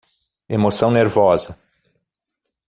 Emoção nervosa